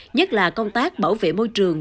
nhất là công tác bảo vệ môi trường